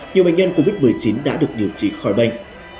nhiều bệnh nhân covid một mươi chín đã được điều trị khỏi bệnh